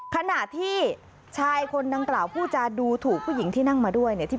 ขณะที่ชายคนดังกล่าวผู้จาดูถูกผู้หญิงที่นั่งมาด้วยเนี่ย